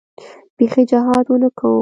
بيخي جهاد ونه کو.